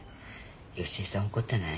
好恵さん怒ってない？